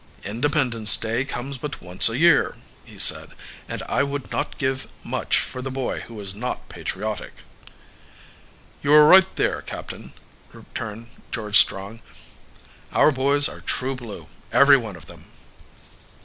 "Independence Day comes but once a year," he said. "And I would not give much for the boy who is not patriotic." "You are right there, captain," returned George Strong. "Our boys are true blue, every one of them."